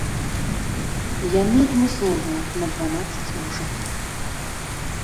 Яны адмысловыя, на дванаццаць вушак.